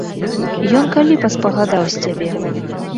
Ён калі паспагадаў з цябе?